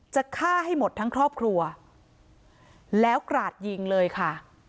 จะฆ่าให้หมดทั้งครอบครัวแล้วกราดยิงเลยค่ะ